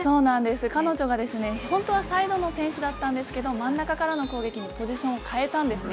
彼女がですね、本当はサイドの選手だったんですけど、真ん中からの攻撃にポジションを変えたんすね。